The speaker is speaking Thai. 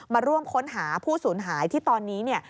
มาร่วมค้นหาผู้สูญหายที่ตอนนี้เนี่ย